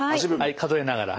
数えながら。